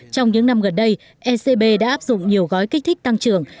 trong những năm gần đây ecb đã áp dụng nhiều gói kích thích tăng trưởng